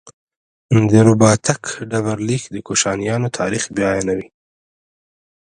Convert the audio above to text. د رباتک ډبرلیک د کوشانیانو تاریخ بیانوي